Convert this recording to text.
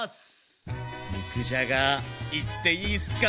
肉じゃがいっていいっすか。